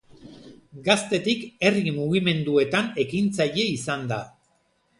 Gaztetik herri mugimenduetan ekintzaile izan da.